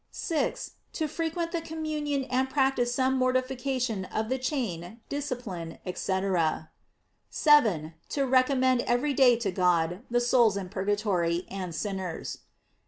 6. To frequent the communion and practise some mortification of the chain, discipline, &c. 7. To recommend every day to God the souls in purgatory, and sinners.